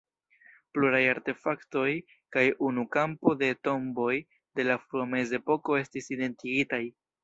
Pluraj artefaktoj kaj unu kampo de tomboj de la frua mezepoko estis identigitaj.